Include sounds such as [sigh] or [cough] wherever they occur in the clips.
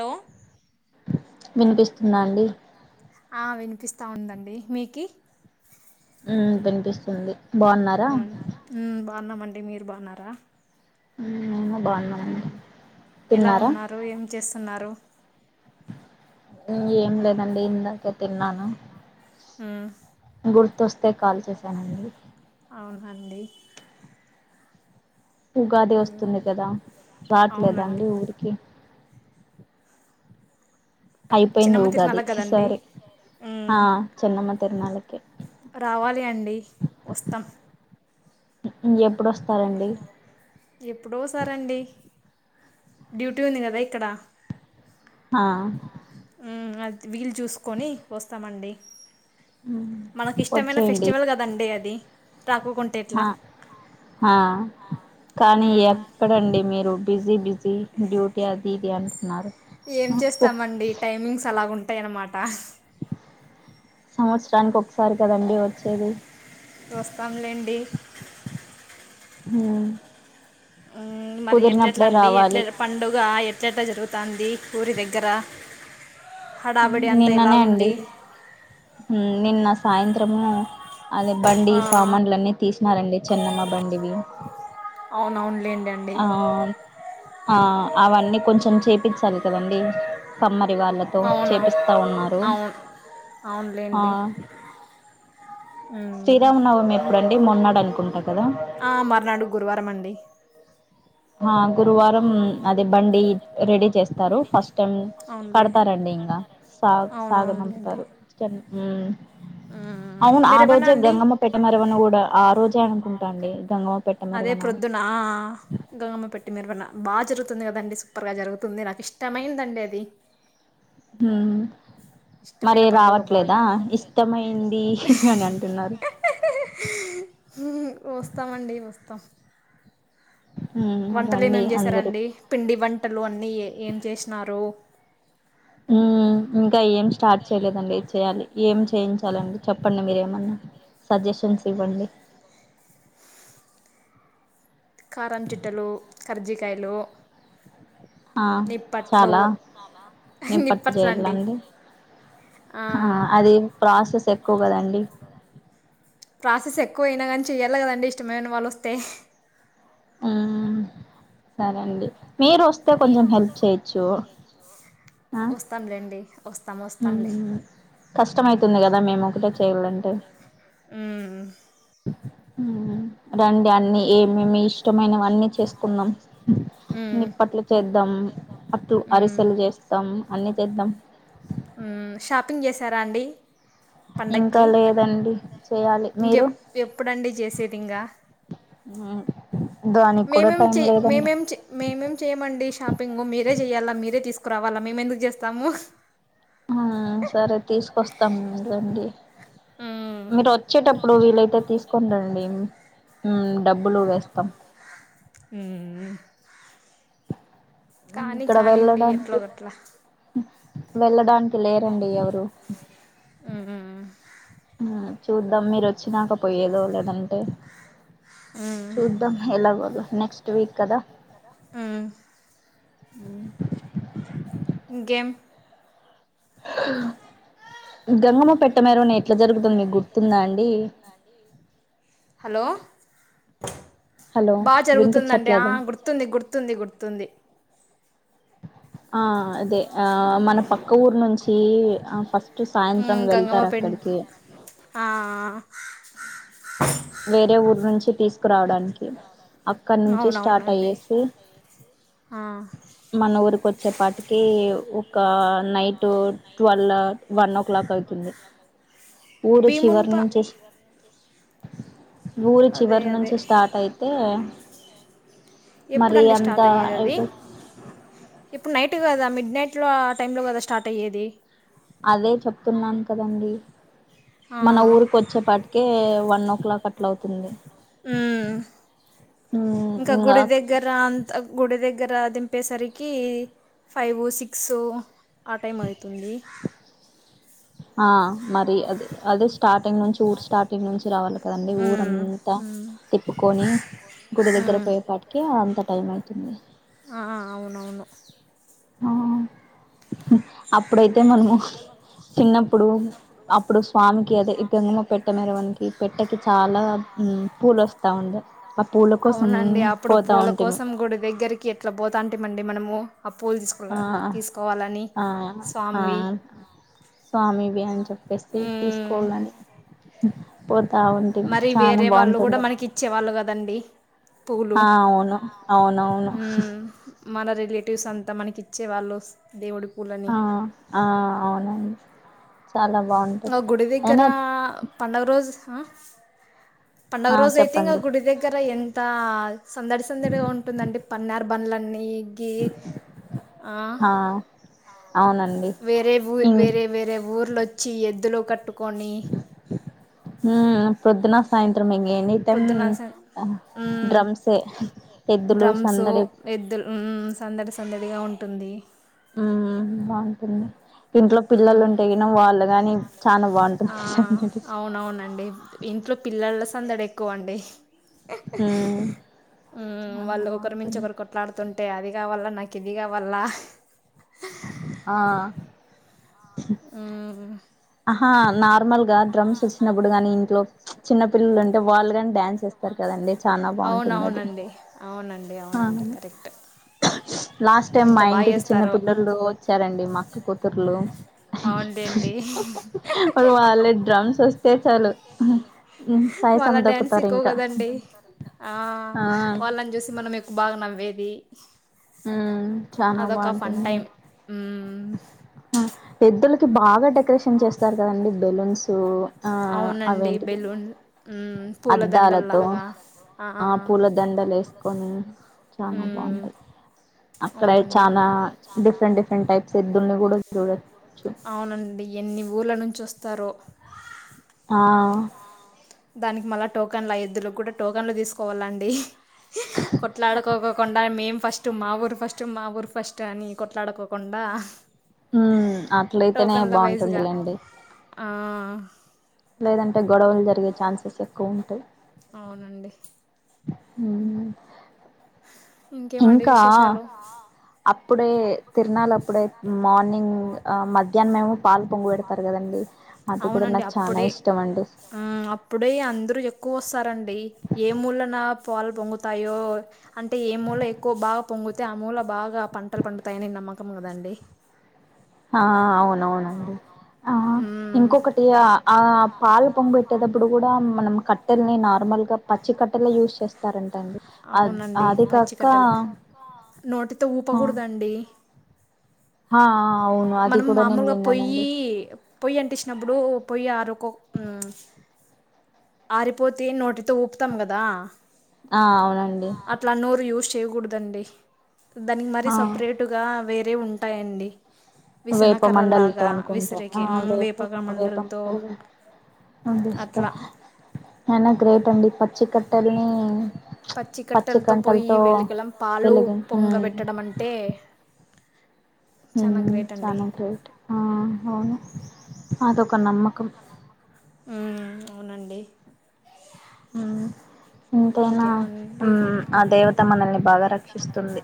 Hello వినిపిస్తున్నాండి ఆ వినిపిస్తా ఉందండి మీకి హ్మ్మ్ వినిపిస్తుంది బాగున్నారా బాగున్నామండి మీరు బాగున్నారా ఏమో బాగున్నాము ఎలా ఉన్నారు ఏం చేస్తున్నారు ఏం లేదండి ఇందాకే తిన్నాను ఉమ్ గుర్తొస్తే కాల్ చేశానండి అండి ఉగాది వస్తుంది కదా అవునండి రావట్లేదండి ఊరికి అయిపోయింది చిన్నమ్మ ఉగాది తిరునాల కదండి సారి ఉమ్ ఆ చిన్నమ్మ తిరనళకి రావాలి అండి వస్తాం ఎప్పుడొస్తారండి ఎప్పుడ వసారండి డ్యూటీ ఉంది కదా ఇక్కడ ఆ ఉమ్ అది వీలు చూసుకొని వస్తామండి మనకి ఇష్టమైన వచ్చేయండి ఫెస్టివల్ కదండి అది రాకుంటే ఎట్లా ఆ కానీ ఉమ్ ఎక్కడండి మీరు బిజీ బిజ డ్యూటీ అధి ఇధి ఏం చేస్తామండి టైమింగ్స్ అలాగ ఉంటాయన్నమాట సంవత్సరానికి ఒకసారి కదండి వచ్చేది వస్తాంలేండి ఉ మరి ఎట్లట్ల అండి ఎట్ల పండుగ ఎట్లట్లా జరుగు తాంది ఊరి దగ్గర హడావిడి అంతా నిన్ననే అండి ఎలాగుంది నిన్న సాయంత్రము అదే బండి ఆ, సామాన్లు అన్నీ తీసినారండి చెన్నమ్మ బండివి అవునవును ఆ అవన్నీ కొంచెం చేపించాలి కదండి కమ్మ [unintelligible] అవును చెపిస్తా వున్నారు అవును అవునులేండి మ్మ్, శ్రీరామనవమి ఇం- ఎప్పుడుండి మొన్నాడు అనుకుంటా కదా ఆ, మర్నాడు గురువారం అండి గురువారం అదే బండి రెడీ చేస్తారు ఫస్ట్ టైం అవునులే కడతారండి ఇంకా సాగు సాగు నంపు అవునవునులేండి ఉమ్ మ్మ్, అవును ఆ మిరవనా రోజే అండి గంగమ్మ పెట్టమరవని కూడా ఆ రోజే అనుకుంటాండి గంగమ్మ పెట్ట మర అదే ప్రొద్దున గంగమ్మ పెట్టి బాగా జరుగుతుంది కదండి సూపర్ గా జరుగుతుంది నాకు ఇష్టమైనందండి అది హ మరి ఇష్టమైన పండుగ రావట్లేదా బాగా ఇష్టమై అని అంటున్నారు వస్తామండి వస్తాం హ్మ్ వంటలు రండి ఏమేమి అందరూ చేశారండి పిండి వంటలు అన్నీ ఏ ఏం చేసినారు ఆ ఇంకా ఏం స్టార్ట్ చేయలేదండి చేయ్యాలి ఏం చేయించాలండి చెప్పండి మీరేమన్నా సజెషన్స్ ఇవ్వండి కారం చిట్టలు కరజీకాయలు ఆ చాలా నే పట్టు నిప్పట్లు అండి చేయాలండి ఆ అది ప్రాసెస్ ఎక్కువ కదండి ప్రాసెస్ ఎక్కువయినా కానీ చెయ్యాలి కదండి ఇష్టమేమైన వాళ్ళు వస్తే ఆ సరే అండి మీరు వస్తే య కొంచెం హెల్ప్ చేయొచ్చు ఆ వస్తాంలేండి వస్తాం వస్తాంలే కష్టం అయితుంది కదా మేము కష్టమతుంది ఒకటే కద చేయాలంటే మేము అ రండి అన్ని ఏమేమి ఇష్టమైనవన్నీ చేసుకుందాం మ్మ్. నిప్పట్లు చేద్దాం అట్లు మ్మ్. అరిసెలు చేస్తాం అన్ని చేద్దాం షాపింగ్ చేసారా అండి ఇంకా పండకి లేదండి చేయాలి ఇంకె మీరు ఎప్పుడుండి చేసేది ఇంకా ఆ మేమేం చే మేమేం మేమేం చేయమండి షాపింగ్ మీరే చేయాలా మీరే తీసుకు కురావాలా మేము ఎందుకు చేస్తాము సరే ఉమ్, మీరొచ్చేటప్పుడు వీలైతే తీసుకుని రండి మ్మ్ డబ్ బులు వేస్తాం ఉమ్, కానీ ఇక్కడ కానిండి వెళ్ళడానికి ఎట్లోగట్ల వెళ్ళడానికి లేరండి ఎవరు మ్మ్ చూద్దాం మీరు వచ్చినాక పోయేదో లేదంటే చూద్దాం ఎలా నెక్స్ట్ వీక్ కదా మ్మ్ ఇంకేం గంగమ్మ పెట్ హలో హలో బా జరుగుతుందండి ఆ వినిపించట్లేదా గుర్తుంది గుర్తుంది గుర్తుంది ఆ అదే మన పక్క ఊరు నుంచి ఫస్ట్ సాయంత్రం ఉమ్, గంగమ్మ వెళ్తారు పెం అక్కడికి దే ఆ వేరే ఊరు నుంచి తీసుకురావడానికి అక్కడ నుంచి స్టార్ట్ అవునవునండి అయ్యేసి ఆ మన ఊరు కొచ్చేపాటికి ఒక night twelve one one o'clock అవుతుంది ఊరి భీమున్ చివరి పా నుంచి ఊరి అదే చివరి అదే నుంచి స్టార్ట్ అయితే మరి ఎప్పుడండి అంత స్టార్ట్ అయ్యేది అది ఇప్పుడు నై ట్ కదా మిడ్ నైట్ లో టైం లో కదా స్టార్ట్ అయ్యేది అదే చెప్తున్నాను కదండి ఆ మన ఊరికి వచ్చేపాటికే వన్ ఓ క్లాక్ అట్లా అవుతుంది మ్మ్ ఇంకా గుడి దగ్గర అంత గుడి దగ్ గర దింపేసరికి ఫైవ్ సిక్స్ ఆ టైం అయితుంది ఆ మరి అది అదే స్టార్టింగ్ నుంచి ఊర్ స్టార్టింగ్ నుంచి రావాలి కదండి మ్మ్ ఊరంతా మ్మ్ తిప్పుకొని గుడి దగ్గర మ్మ్ పోయేపాటికి అంత టైం అయితుంది ఆ అవునవును ఆ అప్పుడైతే మనము చిన్నప్పుడు అప్పుడు స్వామికి అదే గంగమ్మ పెట్టె మెరవన్ పెట్టెకి చాలా మ్మ్ పూలొస్తా ఉండే ఆ పూల కోసం అవునండి అప్పుడు పోతా పూల ఉంటిమి కోసం గుడి దగ్గరికి ఎట్లా పోతాంటిమండి మనము ఆ పూలు తీసుకు ఆ తీసుకోవాలని ఆ ఆ స్వామివి స్వామివి అని చెప్పేస్తే మ్మ్ తీసుకోవాలని పోతా ఉంటే మరి చాలా వేరే వాళ్ళు కూడా బాగుంటుండు మనకి ఇచ్చేవాళ్ళు కదండి పూలు ఆ అవును అవునవును మ్మ్ మన రిలేటివ్స్ అంతా మనకి ఇచ్చే వాళ్ళు దేవుడు ఆ ఆ అవునండి చాలా ఆ బాగుంటది గుడి దగ్గర అయినా పండగ రోజు ఆ పండగ ఆ రోజు అయితే ఇంకా చెప్పండి గుడి దగ్గర ఎన్ త సందడి సందడిగా ఉంటుందండి పన్నారు బండ్లన్నీ గే ఆ అవునండి వేరే ఊ ఇం వేరే వేరే ఊర్లోచ్చి ఎద్దులో మ్మ్ ప్రొద్దున సాయంత్రం ఇన్ ఎనీ టైమ్ ప్రొద్దున డ్రమ్సే ఎద్దులు సందడి ఉమ్ సందడి సందడిగా ఉంటుంది ఊహు బాగుంటుంది ఇంట్లో మ్మ్. పిల్లలుంటే వాళ్ళుగా ని చాలా బాగుంటుంది ఆ, ప్పుడు పిల్లల్ల సందడెక్కువ అండి ఉమ్ ఊ చానా వాళ్ళు ఒకరి మించ బాగుంటుంది ఒకరు కొట్లాడుతుంటే టే అది గావల్ల నాకిద గావల్ల ఆ ఆ ఆహా నార్మల్ గా డ్రమ్స్ వచ్చినప్పుడు గాని ఇంట్లో చిన్న పిల్లలు ఉంటే వాళ్ళు కాని డ్యాన్స్ చేస్తారు కదండి చానా బాగుంటుంది అది అవునవునండి అవునండి అవున అండి అవును కరెక్ట్ లాస్ట్ టైమ్ ఎంత మా బా ఇంటికి చిన్న చేస్తారో. పిల్లలు వచ్చారండి మా అక్క కూతుర్లు అవున్లేన్డి మరి వాళ్ళకి డ్రమ్స్ వస్తే చాలు సాయిసం వాళ్ళ డ్యాన్స్ దొక్కుతారు ఎక్కువ ఇంకా కదండి ఆ ఆ వాళ్ళని జూసి మనం ఎక్కువ బాగా నవ్వేది ఉమ్ చానా అదొక ఫన్ టైమ్ బాగుంటుందండి ఊ ఎద్దులకి బాగా చేస్తారు కదండి బెలూన్స్ ఆ అవునండి అవేంటివి బెలూన్ పూలదండలు అద్దాలతో అలాగా ఆ పూల దండలేస్కోని చాలా హ్మ్. బాగుంటాయి అక్కడ అవునండి చాలా డిఫరెంట్ డిఫరెంట్ టైప్స్ ఎద్దుల్ని కూడా చూడచ్చు అవునండి ఎన్ని ఊర్లనొంచి వస్తారొ ఆ దానికి మళ్ళా టోకన్లు ఆ ఎద్దులుగ్గూడా టోకెన్లు తీసుకోవాలండి కొట్లాడుకోకుండా మేం ఫస్ట్ మా ఊరు ఫస్ట్ మా ఊరు ఫస్ట్ అని కొట్లాడుకోకుండా ఉ అట్లయితేనే టోకన్ల వైజ్గా బాగుంటుందిలేండి ఆ లేదంటే గొడవలు జరిగే ఛాన్సెస్ ఎక్కువుంటాయి అవునండి వుం ఇంకేమండి ఇంకా విశేషాలు అప్పుడే తిరనాలప్పుడే మార్నింగ్ మధ్యాహ్నం మేము పాలు పొంగు పెడతారు కదండి అది కూడా నాకు చానాఇష్టంమండి ఆ అప్పుడే అందరుూ ఎక్కువొస్తారండి ఏ మూలన పాలు పొంగుతాయో అంటే ఏ మూల ఎక్కువ బాగా పొంగుతే ఆ మూల బాగా పంటలు పండుతాయని నమ్మకం గదండి ఆ అవునవునవును ఆ ఇంకొకటి ఆ పాలు పొంగబెట్టేటప్పుడు కూడా మనం కట్టెలని నార్మల్ మల్ గా పచ్చి కట్టెలే యూస్ చేస్తారంటండి అ అవునండి అది కాక పచ్చికట్టలు నోటితో ఆ ఊపకూడదండి ఆ అవును అది మనం కూడా నేను మామూలుగా పొయ్యి విన్నానండి పొయ్యంటిచ్చినప్పుడు పొయ్యి ఆరుకో ఆరిపోతే నోటితో ఊపుతాం గదా ఆ అవునండి యూస్ చేయకూడదండి దానికి మరీ ఆ సపరేటుగా వేరే ఉంటాయండి వేప మండలతో విసనకర్రలాగా అనుకుంట విసిరేకి ఆ ఉమ్, వేప వేపక వేప మండలతో మండలి అన్టిస్తా అట్లా అయినా గ్రేట్ అండి పచ్చి కట్టల్ని పచ్చికట్టలతో పోయి వెళకలం పాలు వెలిగి ఉమ్ పొంగబెట్టడం మంటే ఊ చాన గ్రేట్ ఆ అవును అదొక నమ్మకం ఉమ్, అవునండి. మ్ ఎంతైనా ఇంకేమండి ఉమ్ ఆ దేవత మనల్ని బాగా రక్షిస్తుంది.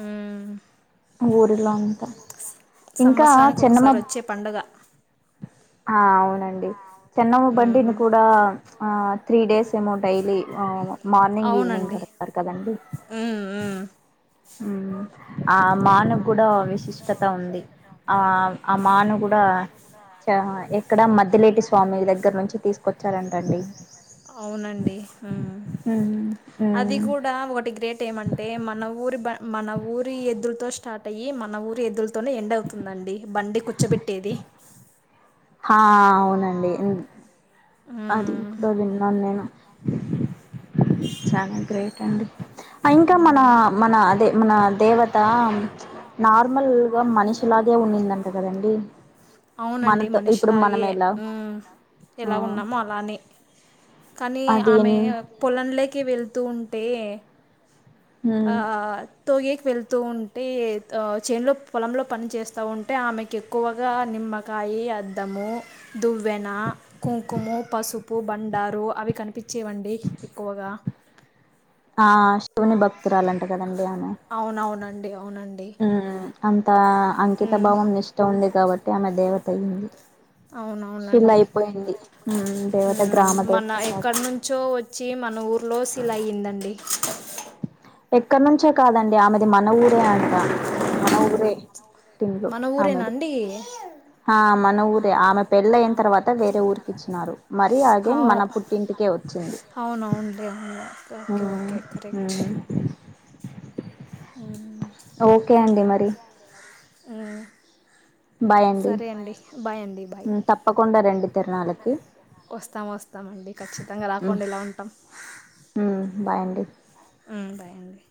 ఉమ్ ఊరిలో అమ్ క ఇంకా సంవత్సరానికి ఒకసారి చిన్నమబ్ వచ్చే పండగ ఆ అవునండి. చెన్నమ బండిని మ్మ్ కూడా ప్చ్ ఆ త్రీ డేస్ ఏమో డైలీ ఆ మార్నింగ్ ఈవినింగ్ కడ తారు కదండి. ఉమ్ ఊ ఉమ్ ఆ మాను గుడా విశిష్టత ఉంది. ఆ ఆ మాను గుడా సింహమే ఏ తీసుకొచ్చారంటండి అవునండి ఊ అది గూడా ఒటి గ్రేట్ ఏమంటే మన ఊరి బ మన ఊరి ఎద్దులుతో స్టార్ట్ అయ్యి మన ఊరి ఎద్దులుతోనే ఎండ్ అవుతుందండి బండి కూర్చోబెట్టేది. నండీ ఉమ్ అది మ్మ్ ఎక్కడో విన్నాన్ నేను చాలా గ్రేట్ అండి. అ ఇంక మన మ్మ్ మన అదే మన దేవత నార్మల్గా మనిషిలాగే, ఉనిదంట కదండి మనతో ఇప్పుడు మనం ఎలా ఉమ్ ఆ, ఎలా ఉన్నామో అలానే కానీ అది ఆమె పొలంలోకి వెళ్తూ ఉంటే ఉమ్, ఆ ఆ తోఏక్ వెళ్తూ ఉంటే ఆ చేన్లో పొలంలో పని చేస్తా ఉంటే ఆమెకిి ఎక్కువగా నిమ్ నిమ్మకాయి, అద్దము, దువ్వెన, కుంకుము, పసు పు బండారు అవి కనిపిచ్చేవండి ఎక్కువగా ఆ శివుని భక్తురాలంట కదండి ఆమె అవునవునండి అవునండి ఉమ్ అం అంత అంకిత ఉమ్, భావం నిష్ట ఉంది కాబట్టే ఆమె దేవత అయ్యింది. శిల అవునవునండి అయిపోయింది ఉమ్, దేవత ఉమ్ గ్రామ మన దేవత లాగా ఎక్కడ్నుంచో ఓచ్చి మన ఊర్లో సిల అయ్యిందండి. ఎక్కడ్నుంచొ కాదండి ఆమెది మన ఊరే అంట మన ఊరే తిన్లో మన ఊరేనా ఆమెది. అండి ఆ మన ఊరె ఆమె పెళ్ళైన తర్వాత వేరే ఊరికి ఇచ్చినారు. మరి అగైన్ మన పుట్టింటికే ఓచ్చింది. అవునవునులే అవును ఊ okay okay correct um um మరి ఒకే అండి మరి బాయ్ అండి. అండి ఉమ్ తప్పకుండ రండి తిర్ణాలకి ఓస్తాం ఓస్తామండి ఖచ్చితంగా రాకుండా ఎలా ఉంటాం. బాయ్ అండి. ఉమ్ బాయండి.